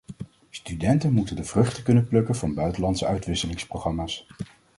Studenten moeten de vruchten kunnen plukken van buitenlandse uitwisselingsprogramma's.